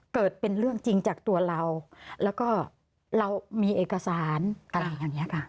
เกิดเป็นเรื่องจริงจากตัวเราแล้วก็เรามีเอกสารอะไรอย่างนี้ค่ะ